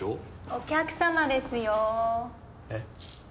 お客様ですよえっ？